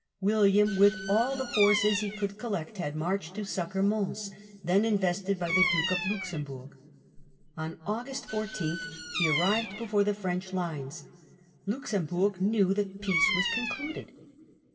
William, with all the forces he could collect, had marched to succour Mons, then invested by the Duke of Luxemburg. On August 14 he arrived before the French lines.? Luxemburg knew that „ 1 rc. peace was concluded.